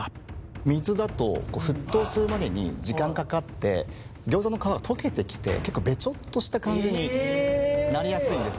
水だと沸騰するまでに時間かかってギョーザの皮が溶けてきて結構ベチョッとした感じになりやすいんですね。